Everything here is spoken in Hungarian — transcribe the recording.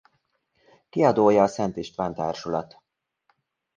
Kiadója a Szent István Társulat.